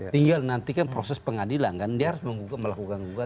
tinggal nantikan proses pengadilan kan dia harus melakukan gugatan